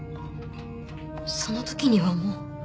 その時にはもう。